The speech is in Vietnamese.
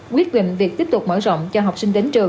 quyết định việc tiếp tục mở rộng cho học sinh đến trường